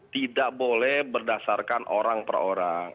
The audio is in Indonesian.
tidak boleh berdasarkan orang per orang